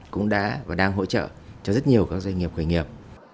cũng đã và đang hỗ trợ cho rất nhiều các doanh nghiệp khởi nghiệp